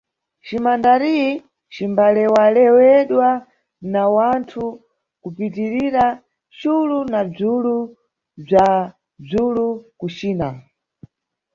CiMandarim cimbalewalewedwa na wanthu kupitirira culu na bzwulu bzwa bzwulu ku China.